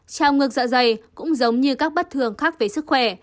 trào ngược dạ dày cũng giống như các bất thường khác về sức khỏe